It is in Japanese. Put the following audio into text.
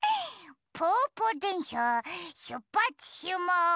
ぽぅぽでんしゃしゅっぱつします！